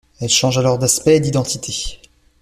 Elle change alors d'aspect et d'identité.